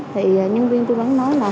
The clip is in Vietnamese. thì nhân viên tôi vẫn nói là